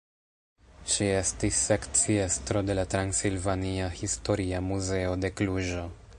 Ŝi estis sekciestro de la Transilvania Historia Muzeo de Kluĵo.